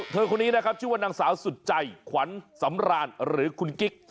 คนนี้นะครับชื่อว่านางสาวสุดใจขวัญสำราญหรือคุณกิ๊ก